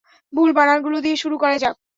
ভুল বানানগুলো দিয়ে শুরু করা যাক।